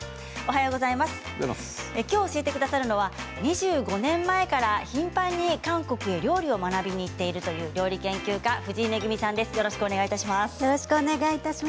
今日教えてくれるのは２５年前から頻繁に韓国に料理を学びに行っているという料理研究家、藤井恵さんです。